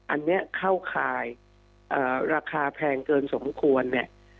อันนี้เข้าข่ายราคาแพงเกินสมควรเนี่ย